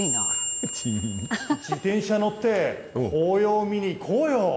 自転車乗って、紅葉を見に行こうよ。